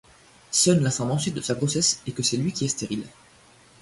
Sun l'informe ensuite de sa grossesse et que c'est lui qui est stérile.